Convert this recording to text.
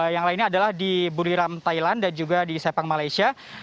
yang lainnya adalah di buriram thailand dan juga di sepang malaysia